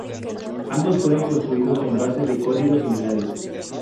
Ambos fueron construidos en bases de código similares.